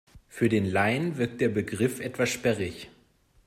Für den Laien wirkt der Begriff etwas sperrig.